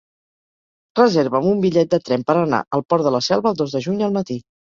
Reserva'm un bitllet de tren per anar al Port de la Selva el dos de juny al matí.